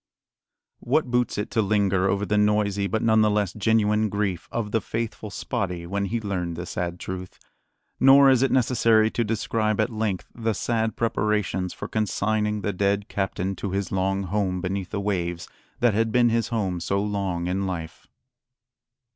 What boots it to linger over the noisy, but none the less genuine grief, of the faithful Spottie when he learned the sad truth? Nor is it necessary to describe at length the sad preparations for consigning the dead captain to his long home beneath the waves that had been his home so long in life.